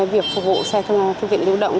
việc phục vụ xe thư viện lưu động